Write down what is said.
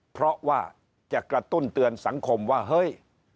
เพราะว่าจะกระตุ้นเตือนสังคมว่าเฮ้ย